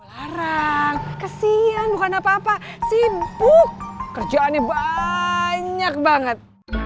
larang kesian bukan apa apa sibuk kerjaannya banyak banget